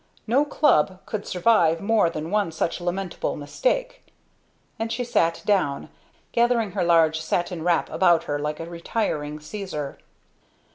No club could survive more than one such lamentable mistake!" And she sat down, gathering her large satin wrap about her like a retiring Caesar.